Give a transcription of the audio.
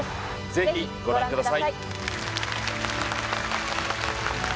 ぜひご覧ください